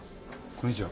こんにちは。